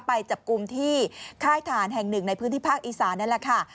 ไปจับกลุ่มที่ค่ายฐานแห่งหนึ่งในพื้นที่ภาคอีสานนั่นแหละค่ะ